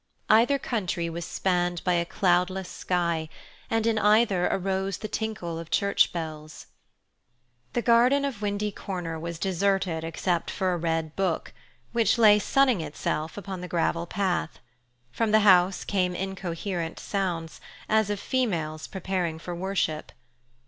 Either country was spanned by a cloudless sky, and in either arose the tinkle of church bells. The garden of Windy Corners was deserted except for a red book, which lay sunning itself upon the gravel path. From the house came incoherent sounds, as of females preparing for worship.